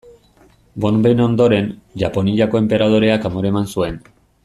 Bonben ondoren, Japoniako enperadoreak amore eman zuen.